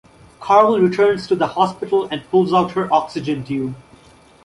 Karl returns to the hospital and pulls out her oxygen tube.